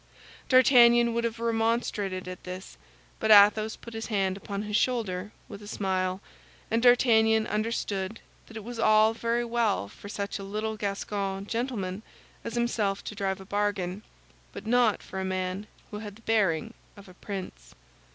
D'Artagnan would have remonstrated at this; but Athos put his hand upon his shoulder, with a smile, and D'Artagnan understood that it was all very well for such a little Gascon gentleman as himself to drive a bargain, but not for a man who had the bearing of a prince.